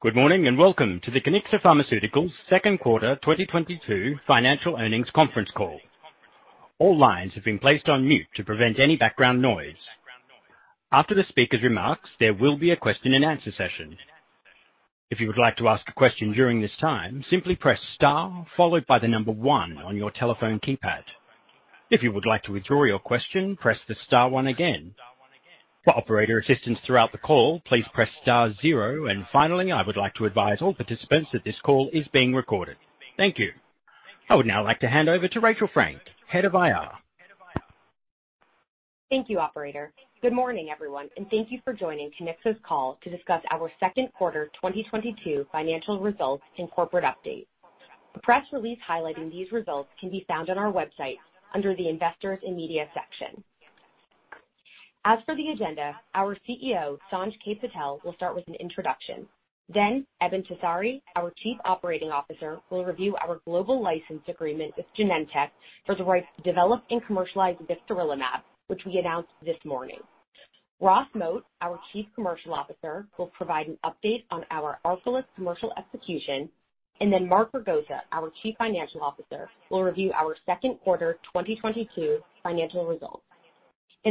Good morning, and welcome to the Kiniksa Pharmaceuticals second quarter 2022 financial earnings conference call. All lines have been placed on mute to prevent any background noise. After the speaker's remarks, there will be a question-and-answer session. If you would like to ask a question during this time, simply press star followed by the number 1 on your telephone keypad. If you would like to withdraw your question, press the star 1 again. For operator assistance throughout the call, please press star 0. Finally, I would like to advise all participants that this call is being recorded. Thank you. I would now like to hand over to Rachel Frank, Head of IR. Thank you, operator. Good morning, everyone, and thank you for joining Kiniksa's call to discuss our second quarter 2022 financial results and corporate update. The press release highlighting these results can be found on our website under the Investors and Media section. As for the agenda, our CEO, Sanj K. Patel, will start with an introduction. Eben Tessari, our Chief Operating Officer, will review our global license agreement with Genentech for the right to develop and commercialize vixarelimab, which we announced this morning. Ross Moat, our Chief Commercial Officer, will provide an update on our ARCALYST commercial execution. Mark Ragosa, our Chief Financial Officer, will review our second quarter 2022 financial results.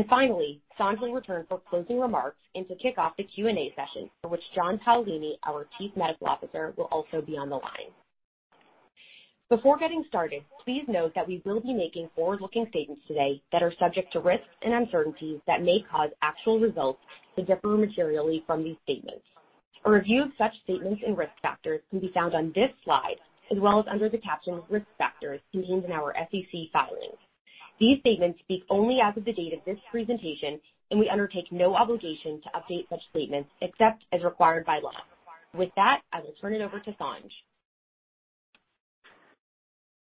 Finally, Sanj will return for closing remarks and to kick off the Q&A session for which John Paolini, our Chief Medical Officer, will also be on the line. Before getting started, please note that we will be making forward-looking statements today that are subject to risks and uncertainties that may cause actual results to differ materially from these statements. A review of such statements and risk factors can be found on this slide, as well as under the caption Risk Factors contained in our SEC filings. These statements speak only as of the date of this presentation, and we undertake no obligation to update such statements except as required by law. With that, I will turn it over to Sanj.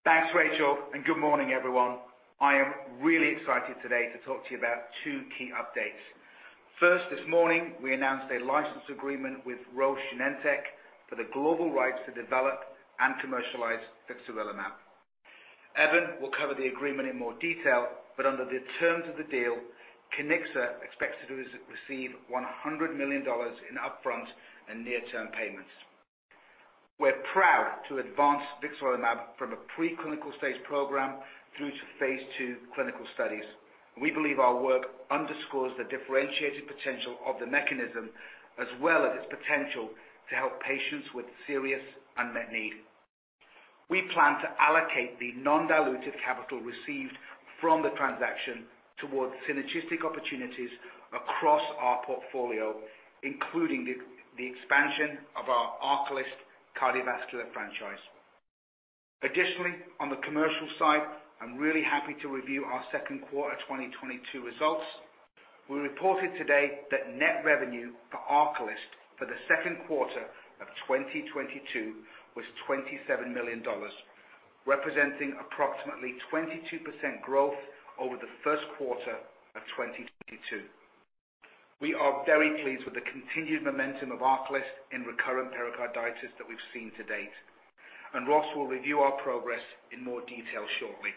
Thanks, Rachel, and good morning, everyone. I am really excited today to talk to you about two key updates. First, this morning, we announced a license agreement with Roche and Genentech for the global rights to develop and commercialize vixarelimab. Eben will cover the agreement in more detail, but under the terms of the deal, Kiniksa expects to receive $100 million in upfront and near-term payments. We're proud to advance vixarelimab from a preclinical stage program through to phase II clinical studies. We believe our work underscores the differentiated potential of the mechanism, as well as its potential to help patients with serious unmet need. We plan to allocate the non-dilutive capital received from the transaction towards synergistic opportunities across our portfolio, including the expansion of our ARCALYST cardiovascular franchise. Additionally, on the commercial side, I'm really happy to review our second quarter 2022 results. We reported today that net revenue for ARCALYST for the second quarter of 2022 was $27 million, representing approximately 22% growth over the first quarter of 2022. We are very pleased with the continued momentum of ARCALYST in recurrent pericarditis that we've seen to date. Ross will review our progress in more detail shortly.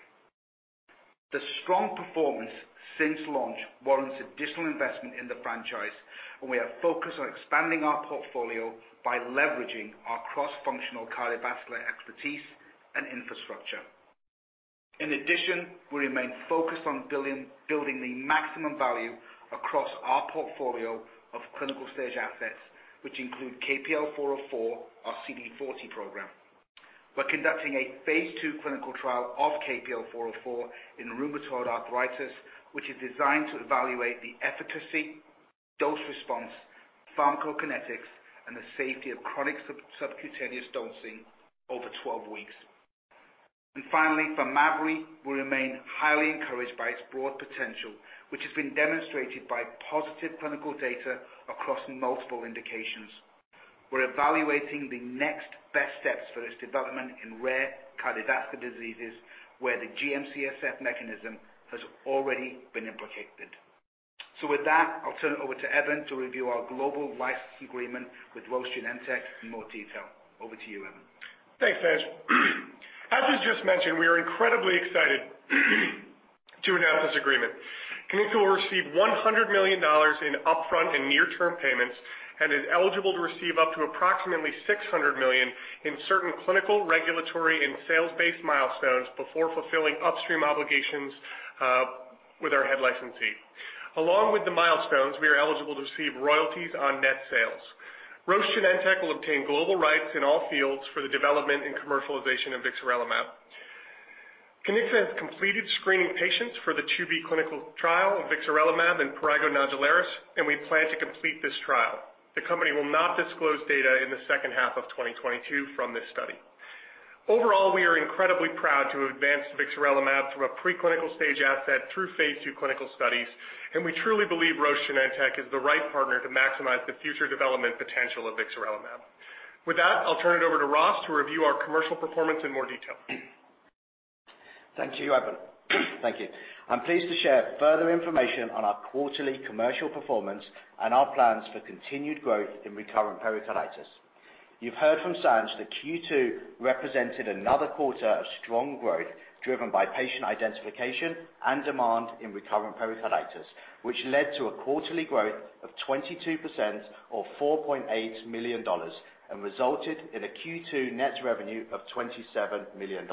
The strong performance since launch warrants additional investment in the franchise, and we are focused on expanding our portfolio by leveraging our cross-functional cardiovascular expertise and infrastructure. In addition, we remain focused on building the maximum value across our portfolio of clinical stage assets, which include KPL-404, our CD40 program. We're conducting a phase II clinical trial of KPL-404 in rheumatoid arthritis, which is designed to evaluate the efficacy, dose response, pharmacokinetics, and the safety of chronic subcutaneous dosing over 12 weeks. Finally, mavrilimumab will remain highly encouraged by its broad potential, which has been demonstrated by positive clinical data across multiple indications. We're evaluating the next best steps for this development in rare cardiovascular diseases, where the GM-CSF mechanism has already been implicated. With that, I'll turn it over to Eben to review our global license agreement with Roche and Genentech in more detail. Over to you, Eben. Thanks, Sanj. As you just mentioned, we are incredibly excited to announce this agreement. Kiniksa will receive $100 million in upfront and near-term payments and is eligible to receive up to approximately $600 million in certain clinical, regulatory and sales-based milestones before fulfilling upstream obligations with our lead licensee. Along with the milestones, we are eligible to receive royalties on net sales. Roche and Genentech will obtain global rights in all fields for the development and commercialization of vixarelimab. Kiniksa has completed screening patients for the II-B clinical trial of vixarelimab in Pyoderma Gangrenosum, and we plan to complete this trial. The company will not disclose data in the second half of 2022 from this study. Overall, we are incredibly proud to advance vixarelimab from a preclinical stage asset through phase II clinical studies, and we truly believe Roche and Genentech is the right partner to maximize the future development potential of vixarelimab. With that, I'll turn it over to Ross to review our commercial performance in more detail. Thank you, Eben. Thank you. I'm pleased to share further information on our quarterly commercial performance and our plans for continued growth in recurrent pericarditis. You've heard from Sanj that Q2 represented another quarter of strong growth driven by patient identification and demand in recurrent pericarditis, which led to a quarterly growth of 22% or $4.8 million and resulted in a Q2 net revenue of $27 million.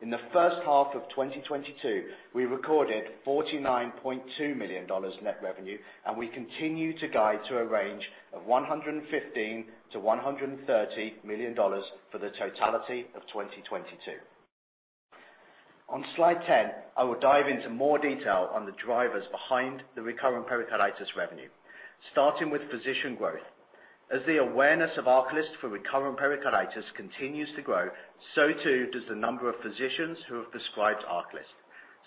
In the first half of 2022, we recorded $49.2 million net revenue, and we continue to guide to a range of $115 million-$130 million for the totality of 2022. On slide 10, I will dive into more detail on the drivers behind the recurrent pericarditis revenue. Starting with physician growth, as the awareness of ARCALYST for recurrent pericarditis continues to grow, so too does the number of physicians who have prescribed ARCALYST.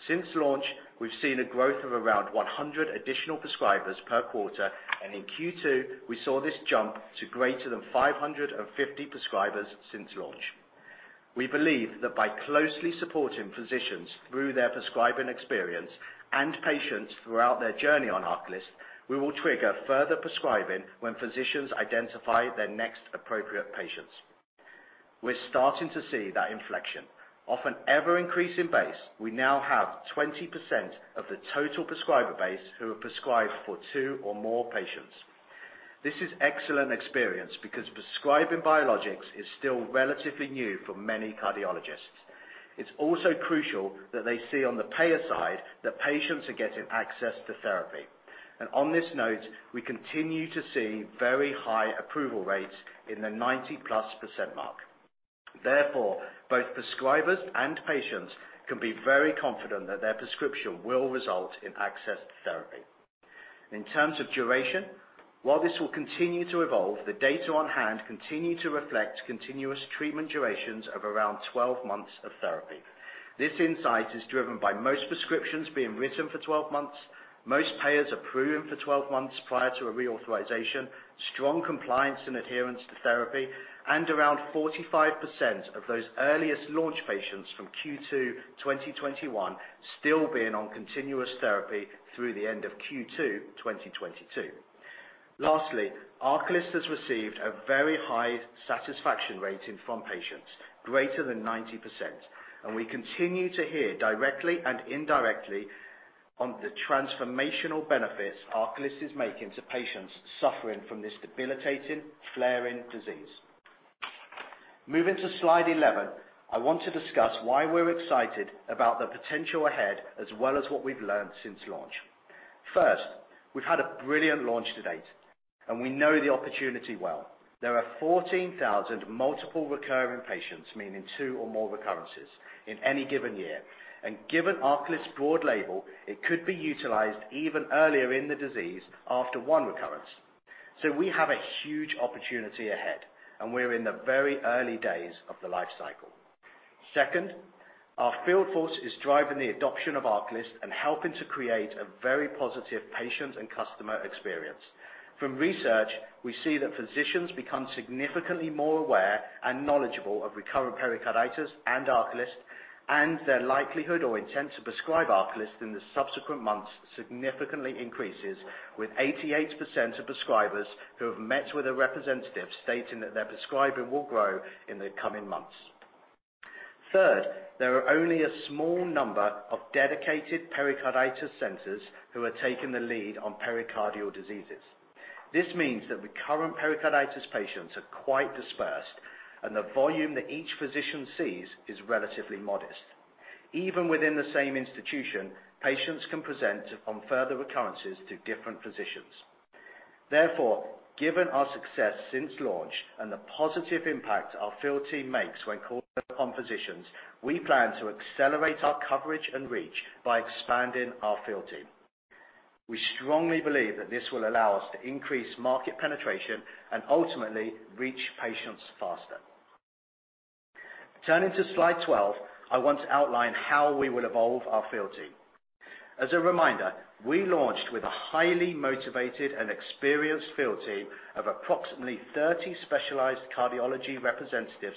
Since launch, we've seen a growth of around 100 additional prescribers per quarter, and in Q2, we saw this jump to greater than 550 prescribers since launch. We believe that by closely supporting physicians through their prescribing experience and patients throughout their journey on ARCALYST, we will trigger further prescribing when physicians identify their next appropriate patients. We're starting to see that inflection. Of an ever-increasing base, we now have 20% of the total prescriber base who have prescribed for two or more patients. This is excellent experience because prescribing biologics is still relatively new for many cardiologists. It's also crucial that they see on the payer side that patients are getting access to therapy. On this note, we continue to see very high approval rates in the 90+% mark. Therefore, both prescribers and patients can be very confident that their prescription will result in access to therapy. In terms of duration, while this will continue to evolve, the data on hand continue to reflect continuous treatment durations of around 12 months of therapy. This insight is driven by most prescriptions being written for 12 months, most payers approving for 12 months prior to a reauthorization, strong compliance and adherence to therapy, and around 45% of those earliest launch patients from Q2 2021 still being on continuous therapy through the end of Q2 2022. Lastly, ARCALYST has received a very high satisfaction rating from patients, greater than 90%, and we continue to hear directly and indirectly on the transformational benefits ARCALYST is making to patients suffering from this debilitating, flaring disease. Moving to slide 11, I want to discuss why we're excited about the potential ahead as well as what we've learned since launch. First, we've had a brilliant launch to date, and we know the opportunity well. There are 14,000 multiple recurring patients, meaning 2 or more recurrences in any given year. Given ARCALYST's broad label, it could be utilized even earlier in the disease after one recurrence. We have a huge opportunity ahead, and we're in the very early days of the life cycle. Second, our field force is driving the adoption of ARCALYST and helping to create a very positive patient and customer experience. From research, we see that physicians become significantly more aware and knowledgeable of recurrent pericarditis and ARCALYST, and their likelihood or intent to prescribe ARCALYST in the subsequent months significantly increases with 88% of prescribers who have met with a representative stating that their prescribing will grow in the coming months. Third, there are only a small number of dedicated pericarditis centers who are taking the lead on pericardial diseases. This means that recurrent pericarditis patients are quite dispersed, and the volume that each physician sees is relatively modest. Even within the same institution, patients can present on further recurrences to different physicians. Therefore, given our success since launch and the positive impact our field team makes when calling on physicians, we plan to accelerate our coverage and reach by expanding our field team. We strongly believe that this will allow us to increase market penetration and ultimately reach patients faster. Turning to slide 12, I want to outline how we will evolve our field team. As a reminder, we launched with a highly motivated and experienced field team of approximately 30 specialized cardiology representatives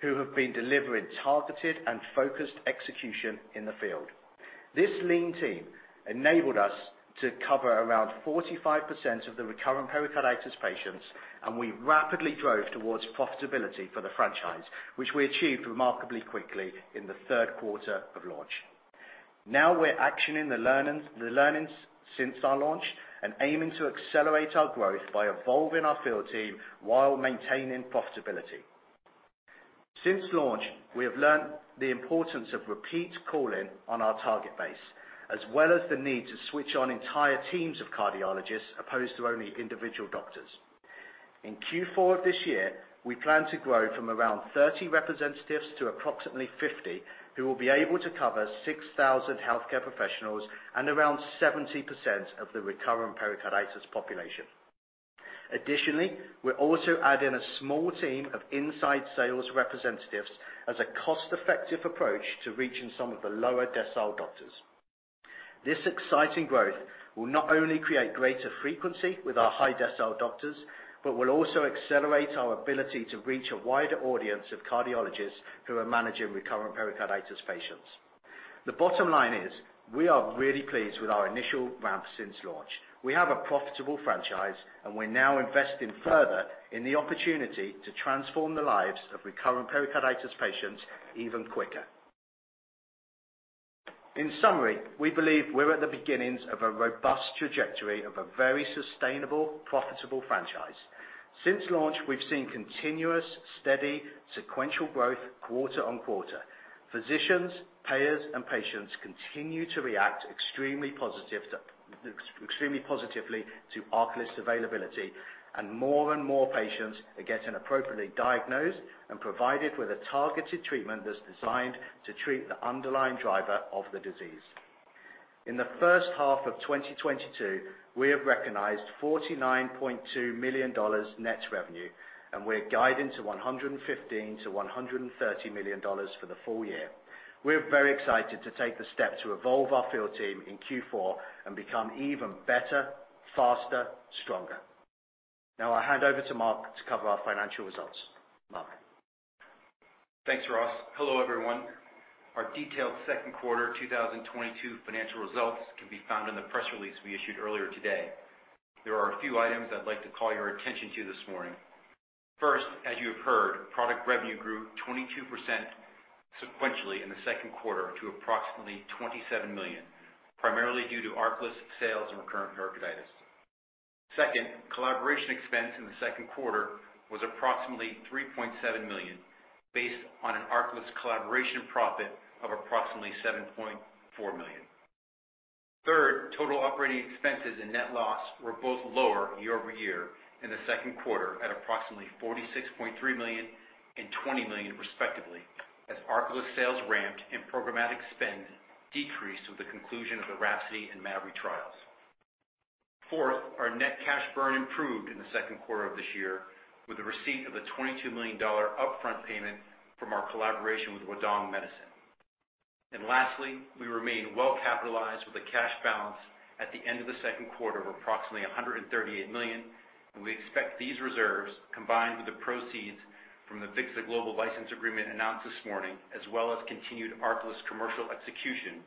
who have been delivering targeted and focused execution in the field. This lean team enabled us to cover around 45% of the recurrent pericarditis patients, and we rapidly drove towards profitability for the franchise, which we achieved remarkably quickly in the third quarter of launch. Now, we're actioning the learnings since our launch and aiming to accelerate our growth by evolving our field team while maintaining profitability. Since launch, we have learned the importance of repeat calling on our target base, as well as the need to switch on entire teams of cardiologists opposed to only individual doctors. In Q4 of this year, we plan to grow from around 30 representatives to approximately 50, who will be able to cover 6,000 healthcare professionals and around 70% of the recurrent pericarditis population. Additionally, we're also adding a small team of inside sales representatives as a cost-effective approach to reaching some of the lower decile doctors. This exciting growth will not only create greater frequency with our high decile doctors, but will also accelerate our ability to reach a wider audience of cardiologists who are managing recurrent pericarditis patients. The bottom line is, we are really pleased with our initial ramp since launch. We have a profitable franchise, and we're now investing further in the opportunity to transform the lives of recurrent pericarditis patients even quicker. In summary, we believe we're at the beginnings of a robust trajectory of a very sustainable, profitable franchise. Since launch, we've seen continuous, steady sequential growth quarter on quarter. Physicians, payers, and patients continue to react extremely positively to ARCALYST availability, and more and more patients are getting appropriately diagnosed and provided with a targeted treatment that's designed to treat the underlying driver of the disease. In the first half of 2022, we have recognized $49.2 million net revenue, and we're guiding to $115 million-$130 million for the full year. We're very excited to take the step to evolve our field team in Q4 and become even better, faster, stronger. Now I'll hand over to Mark to cover our financial results. Mark? Thanks, Ross. Hello, everyone. Our detailed second quarter 2022 financial results can be found in the press release we issued earlier today. There are a few items I'd like to call your attention to this morning. First, as you have heard, product revenue grew 22% sequentially in the second quarter to approximately $27 million, primarily due to ARCALYST sales and recurrent pericarditis. Second, collaboration expense in the second quarter was approximately $3.7 million, based on an ARCALYST collaboration profit of approximately $7.4 million. Third, total operating expenses and net loss were both lower year-over-year in the second quarter at approximately $46.3 million and $20 million, respectively, as ARCALYST sales ramped and programmatic spend decreased with the conclusion of the RHAPSODY and MAVERY trials. Fourth, our net cash burn improved in the second quarter of this year with the receipt of a $22 million upfront payment from our collaboration with Huadong Medicine. Lastly, we remain well capitalized with a cash balance at the end of the second quarter of approximately $138 million, and we expect these reserves, combined with the proceeds from the vixarelimab global license agreement announced this morning, as well as continued ARCALYST commercial execution,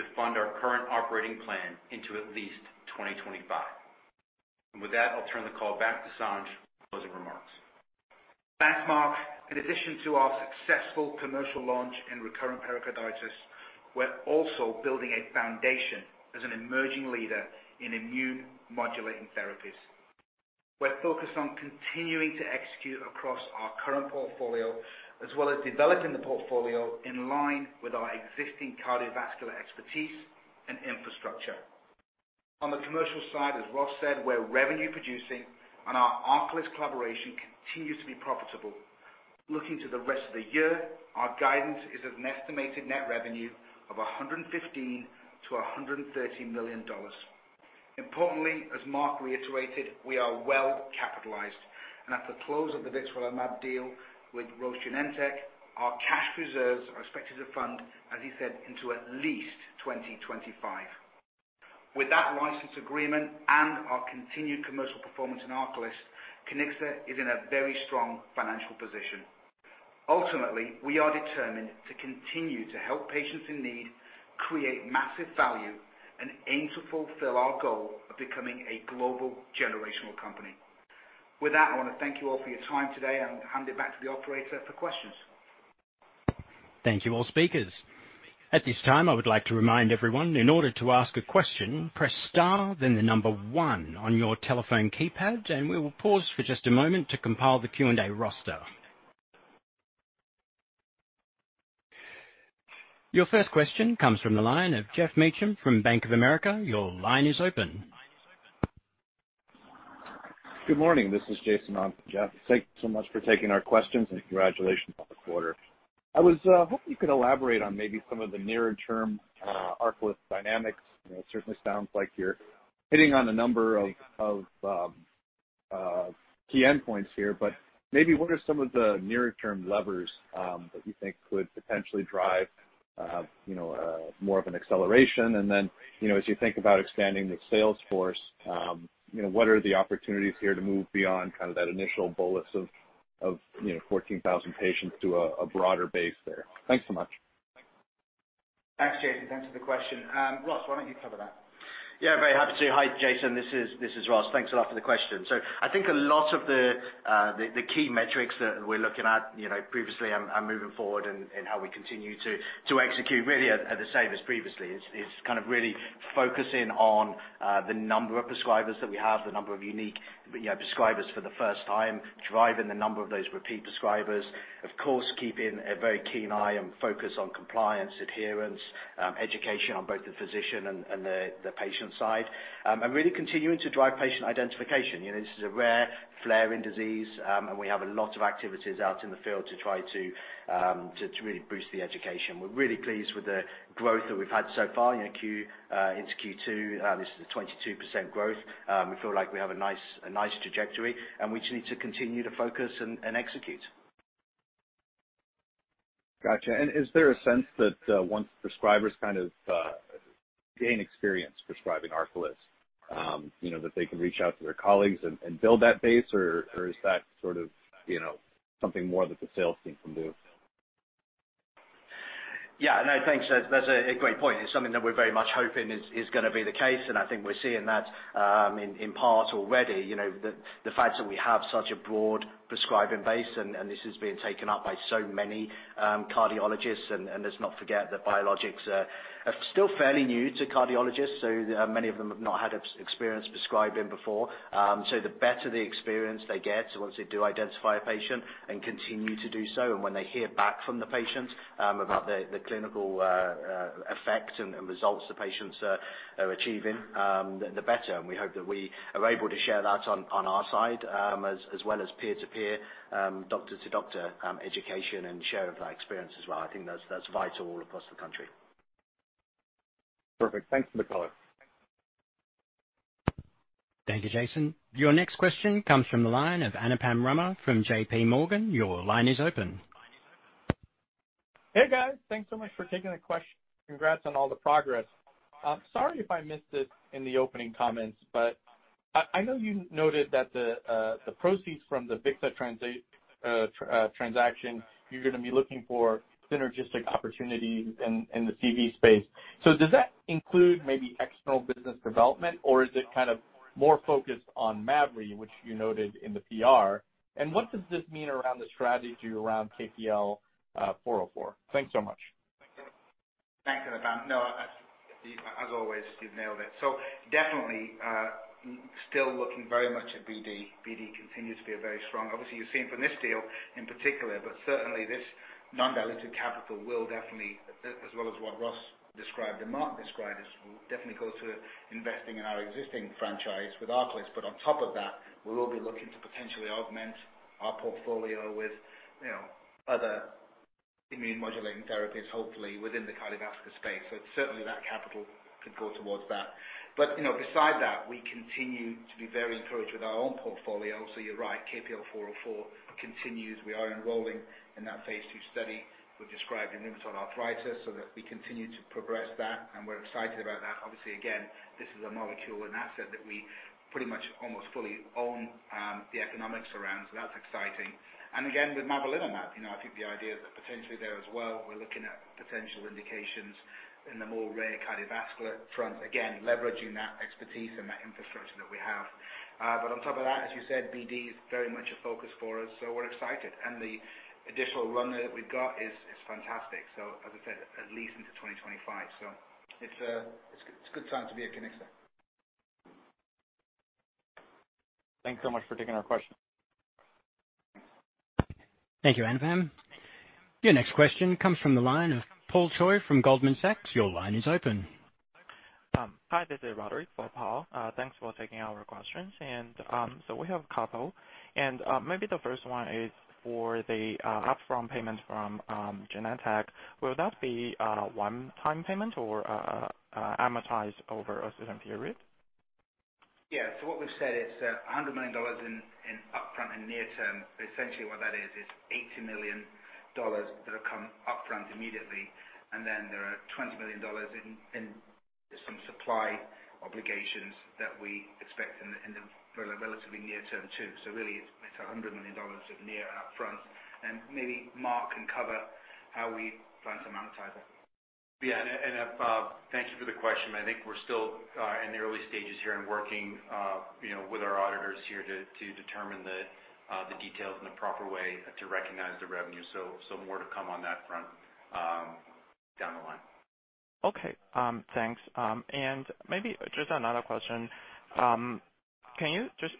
to fund our current operating plan into at least 2025. With that, I'll turn the call back to Sanj for closing remarks. Thanks, Mark. In addition to our successful commercial launch in recurrent pericarditis, we're also building a foundation as an emerging leader in immune modulating therapies. We're focused on continuing to execute across our current portfolio as well as developing the portfolio in line with our existing cardiovascular expertise and infrastructure. On the commercial side, as Ross said, we're revenue producing, and our ARCALYST collaboration continues to be profitable. Looking to the rest of the year, our guidance is of an estimated net revenue of $115 million-$130 million. Importantly, as Mark reiterated, we are well capitalized. At the close of the vixarelimab deal with Roche and Genentech, our cash reserves are expected to fund, as he said, into at least 2025. With that license agreement and our continued commercial performance in ARCALYST, Kiniksa is in a very strong financial position. Ultimately, we are determined to continue to help patients in need, create massive value, and aim to fulfill our goal of becoming a global generational company. With that, I wanna thank you all for your time today and hand it back to the operator for questions. Thank you, all speakers. At this time, I would like to remind everyone in order to ask a question, press star then the number one on your telephone keypad, and we will pause for just a moment to compile the Q&A roster. Your first question comes from the line of Geoff Meacham from Bank of America. Your line is open. Good morning. This is Jason on for Geoff Meacham. Thank you so much for taking our questions, and congratulations on the quarter. I was hoping you could elaborate on maybe some of the nearer-term ARCALYST dynamics. You know, it certainly sounds like you're hitting on a number of key endpoints here, but maybe what are some of the nearer-term levers that you think could potentially drive you know more of an acceleration? You know, as you think about expanding the sales force, you know, what are the opportunities here to move beyond kind of that initial bolus of you know 14,000 patients to a broader base there? Thanks so much. Thanks, Jason. Thanks for the question. Ross, why don't you cover that? Yeah, very happy to. Hi, Jason. This is Ross. Thanks a lot for the question. I think a lot of the key metrics that we're looking at, you know, previously and moving forward and how we continue to execute really are the same as previously. It's kind of really focusing on the number of prescribers that we have, the number of unique, you know, prescribers for the first time, driving the number of those repeat prescribers. Of course, keeping a very keen eye and focus on compliance, adherence, education on both the physician and the patient side, and really continuing to drive patient identification. You know, this is a rare flaring disease, and we have a lot of activities out in the field to try to really boost the education. We're really pleased with the growth that we've had so far. You know, into Q2, this is a 22% growth. We feel like we have a nice trajectory, and we just need to continue to focus and execute. Gotcha. Is there a sense that, once prescribers kind of gain experience prescribing ARCALYST, you know, that they can reach out to their colleagues and build that base, or is that sort of, you know, something more that the sales team can do? Yeah. No, thanks. That's a great point. It's something that we're very much hoping is gonna be the case, and I think we're seeing that in part already, you know, the fact that we have such a broad prescribing base, and this is being taken up by so many cardiologists. Let's not forget that biologics are still fairly new to cardiologists. So many of them have not had experience prescribing before. The better the experience they get, once they do identify a patient and continue to do so, and when they hear back from the patient about the clinical effect and results the patients are achieving, the better. We hope that we are able to share that on our side, as well as peer-to-peer, doctor-to-doctor, education and share of that experience as well. I think that's vital all across the country. Perfect. Thanks for the color. Thank you, Jason. Your next question comes from the line of Anupam Rama from JPMorgan. Your line is open. Hey, guys. Thanks so much for taking the question, congrats on all the progress. Sorry if I missed it in the opening comments, but I know you noted that the proceeds from the vixarelimab transaction, you're gonna be looking for synergistic opportunities in the CV space. Does that include maybe external business development, or is it kind of more focused on MAVERY, which you noted in the PR? What does this mean around the strategy around KPL-404? Thanks so much. Thanks, Anupam. No, as always, you've nailed it. Definitely, still looking very much at BD. BD continues to be a very strong. Obviously, you've seen from this deal in particular, but certainly this non-dilutive capital will definitely, as well as what Ross described and Mark described, this will definitely go to investing in our existing franchise with ARCALYST. On top of that, we will be looking to potentially augment our portfolio with, you know, other immune-modulating therapies, hopefully within the cardiovascular space. Certainly that capital could go towards that. You know, besides that, we continue to be very encouraged with our own portfolio. You're right, KPL-404 continues. We are enrolling in that phase II study we've described in rheumatoid arthritis, so that we continue to progress that, and we're excited about that. Obviously, again, this is a molecule, an asset that we pretty much almost fully own, the economics around, so that's exciting. Again, with mavrilimumab, you know, I think the idea that potentially there as well, we're looking at potential indications in the more rare cardiovascular front. Again, leveraging that expertise and that infrastructure that we have. On top of that, as you said, BD is very much a focus for us, so we're excited. The additional runner that we've got is fantastic. As I said, at least into 2025. It's a good time to be at Kiniksa. Thanks so much for taking our question. Thank you, Anupam. Your next question comes from the line of Paul Choi from Goldman Sachs. Your line is open. Hi, this is Roderick for Paul. Thanks for taking our questions. We have a couple, and maybe the first one is for the upfront payment from Genentech. Will that be a one-time payment or amortized over a certain period? Yeah. What we've said is $100 million in upfront and near term. Essentially what that is is $80 million that'll come upfront immediately, and then there are $20 million in some supply obligations that we expect in the relatively near term too. Really, it's $100 million of near upfront. Maybe Mark can cover how we plan to monetize it. Yeah. Thank you for the question. I think we're still in the early stages here in working you know with our auditors here to determine the details and the proper way to recognize the revenue. More to come on that front down the line. Okay. Thanks. Maybe just another question. Can you just,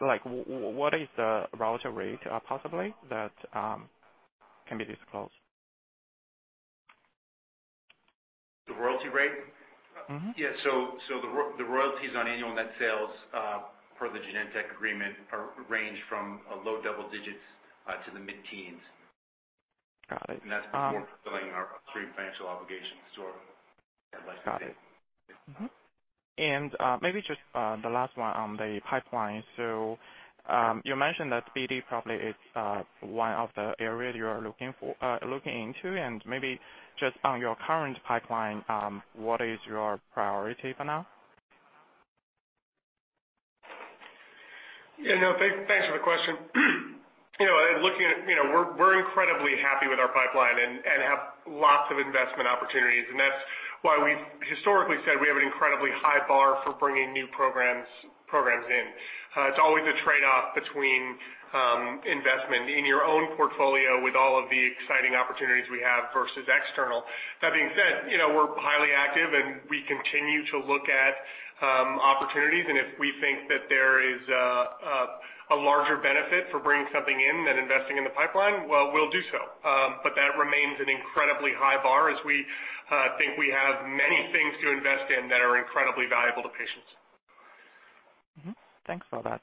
like, what is the royalty rate, possibly that, can be disclosed? The royalty rate? Mm-hmm. The royalties on annual net sales per the Genentech agreement are range from a low double digit to the mid-teens. Got it. That's before fulfilling our three financial obligations to our. Got it. Maybe just the last one on the pipeline. You mentioned that BD probably is one of the areas you are looking into, and maybe just on your current pipeline, what is your priority for now? Yeah. No, thanks for the question. You know, you know, we're incredibly happy with our pipeline and have lots of investment opportunities. That's why we've historically said we have an incredibly high bar for bringing new programs in. It's always a trade-off between investment in your own portfolio with all of the exciting opportunities we have versus external. That being said, you know, we're highly active and we continue to look at opportunities. If we think that there is a larger benefit for bringing something in than investing in the pipeline, well, we'll do so. But that remains an incredibly high bar as we think we have many things to invest in that are incredibly valuable to patients. Mm-hmm. Thanks for that.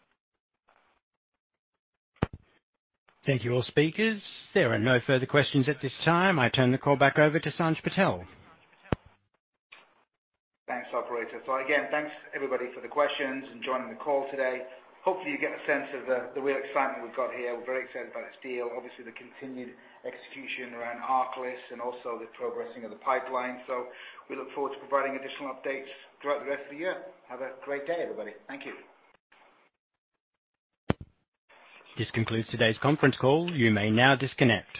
Thank you, all speakers. There are no further questions at this time. I turn the call back over to Sanj Patel. Thanks, operator. Again, thanks everybody for the questions and joining the call today. Hopefully, you get a sense of the real excitement we've got here. We're very excited about this deal. Obviously, the continued execution around ARCALYST and also the progressing of the pipeline. We look forward to providing additional updates throughout the rest of the year. Have a great day, everybody. Thank you. This concludes today's conference call. You may now disconnect.